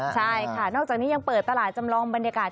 ใช่ค่ะนอกจากนี้ยังเปิดตลาดจำลองบรรยากาศ